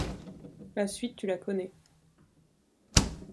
La suite tu la connais.